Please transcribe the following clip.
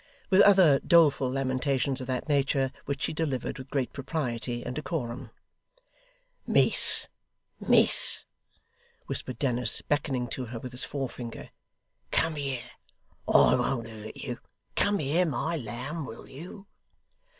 with other doleful lamentations of that nature, which she delivered with great propriety and decorum. 'Miss, miss,' whispered Dennis, beckoning to her with his forefinger, 'come here I won't hurt you. Come here, my lamb, will you?